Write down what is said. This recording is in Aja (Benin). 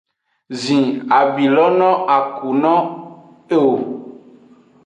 Zhin abi lo no a ku no eo.